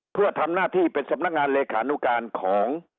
เพื่อทำหน้าที่เป็นสำนักงานเลขานุการของ